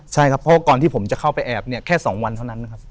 ใช่ครับเพราะว่าก่อนที่ผมจะเข้าไปแอบเนี่ยแค่๒วันเท่านั้นนะครับ